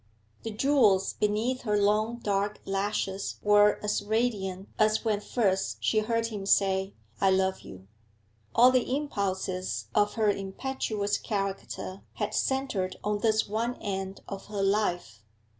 The jewels beneath her long dark lashes were as radiant as when first she heard him say, 'I love you.' All the impulses of her impetuous character had centred on this one end of her life.